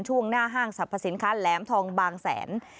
ช่วงหน้าห้างสรรพสินค้าแหลมทองบางแสน